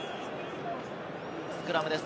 スクラムです。